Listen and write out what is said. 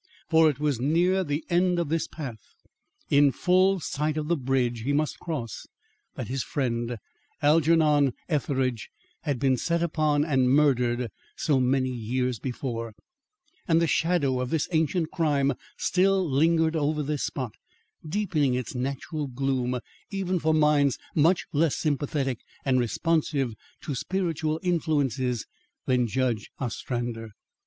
For it was near the end of this path, in full sight of the bridge he must cross, that his friend, Algernon Etheridge, had been set upon and murdered so many years before; and the shadow of this ancient crime still lingered over the spot, deepening its natural gloom even for minds much less sympathetic and responsive to spiritual influences than Judge Ostrander.